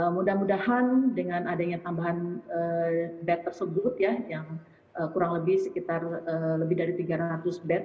mudah mudahan dengan adanya tambahan bed tersebut ya yang kurang lebih sekitar lebih dari tiga ratus bed